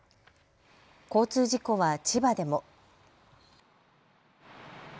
交通事故は千葉でも。